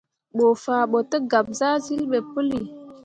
Bə faa ɓo tə gab zahsyil ɓe pəli.